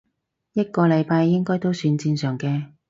一個禮拜應該都算正常嘅